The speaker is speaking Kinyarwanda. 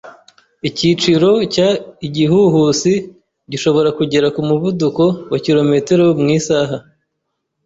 Icyiciro cya igihuhusi gishobora kugera ku muvuduko wa kilometero mu isaha.